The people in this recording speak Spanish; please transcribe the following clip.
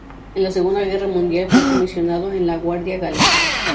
En la Segunda Guerra Mundial fue comisionado en la Guardia Galesa.